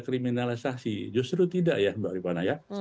kriminalisasi justru tidak ya mbak ribana